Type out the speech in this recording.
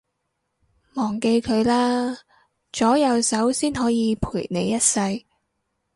忘記佢啦，左右手先可以陪你一世